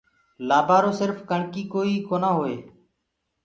لآبآرو سِرڦ ڪڻڪي ڪوئي جونآ هوئي۔